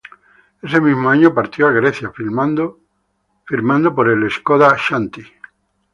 Ese mismo año partió a Grecia, firmando por el Skoda Xanthi.